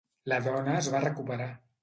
La dona es va recuperar.